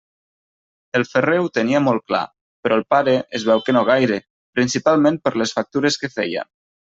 El ferrer ho tenia molt clar, però el pare es veu que no gaire, principalment per les factures que feia.